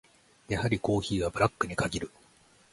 やはりコーヒーはブラックに限る。